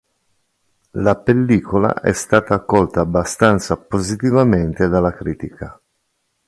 La pellicola è stata accolta abbastanza positivamente dalla critica.